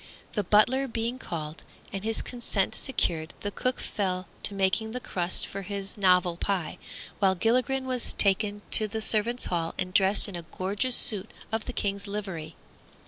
The butler being called, and his consent secured, the cook fell to making the crusts for his novel pie, while Gilligren was taken to the servants' hall and dressed in a gorgeous suit of the King's livery.